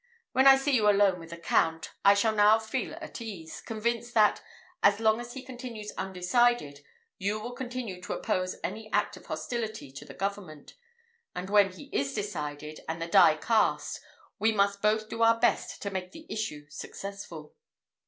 When I see you alone with the Count, I shall now feel at ease, convinced that, as long as he continues undecided, you will continue to oppose any act of hostility to the government; and when he is decided, and the die cast, we must both do our best to make the issue successful."